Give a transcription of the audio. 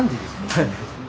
はい。